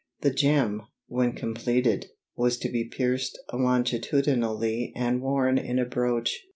The gem, when completed, was to be pierced longitudinally and worn in a brooch.